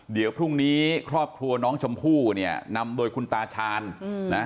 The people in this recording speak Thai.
เดี๋ยวพรุ่งนี้ครอบครัวน้องชมพู่เนี่ยนำโดยคุณตาชาญนะ